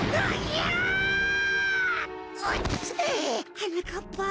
はなかっぱ。